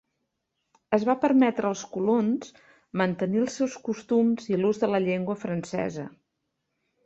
Es va permetre als colons mantenir els seus costums i l'ús de la llengua francesa.